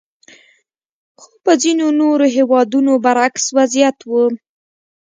خو په ځینو نورو هېوادونو برعکس وضعیت وو.